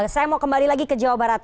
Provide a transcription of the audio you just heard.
saya mau kembali lagi ke jawa barat